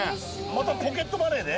またポケットマネーで？